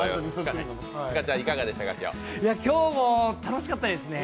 今日も楽しかったですね。